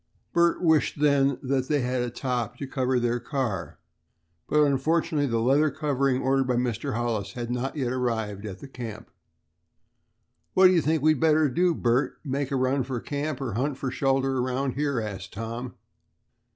Bert wished then that they had a top to their car, but unfortunately the leather covering ordered by Mr. Hollis had not yet arrived at the camp. "What do you think we'd better do, Bert; make a run for camp or hunt shelter around here?" asked Tom.